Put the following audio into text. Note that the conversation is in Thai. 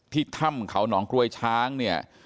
ถ้ำเขาหนองกลวยช้างเนี่ย